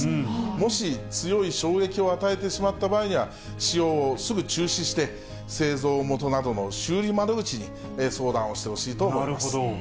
もし強い衝撃を与えてしまった場合には、使用をすぐ中止して、製造元などの修理窓口に相談をしてほしいとなるほど。